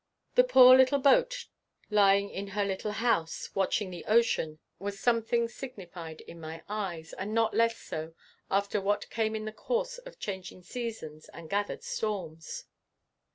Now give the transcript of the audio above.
The poor little boat lying in her little house watching the ocean, was something signified in my eyes, and not less so after what came in the course of changing seasons and gathered storms.